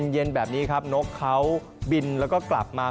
เย็นแบบนี้ครับนกเขาบินแล้วก็กลับมา